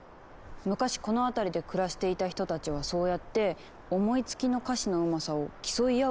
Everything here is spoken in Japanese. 昔この辺りで暮らしていた人たちはそうやって思いつきの歌詞のうまさを競い合うようにして楽しんでいたのかも。